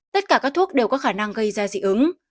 tất cả các thuốc đều có khả năng gây ra dị ứng